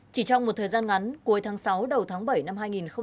chỉ trong một thời gian ngắn cuối tháng sáu đầu tháng bảy năm hai nghìn